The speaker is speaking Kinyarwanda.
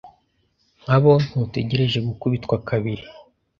Nka bo ntutegereje gukubitwa kabiri